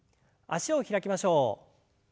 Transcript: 脚を開きましょう。